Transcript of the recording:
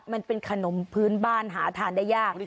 มันเป็นขนมพื้นบ้านหาทานได้ยาก